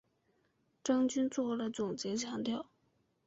张军作了总结强调